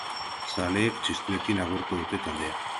Zaleek txistuekin agurtu dute taldea.